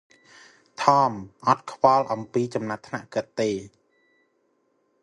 ថម អត់ខ្វល់អំពីចំណាត់ថ្នាក់គាត់ទេ។